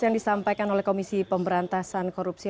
yang disampaikan oleh komisi pemberantasan korupsi